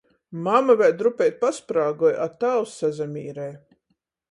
Mama vēļ drupeit pasprāgoj, a tāvs sasamīrej.